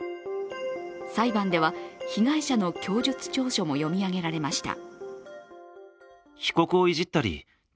裁判では、被害者の供述調書も読み上げられました。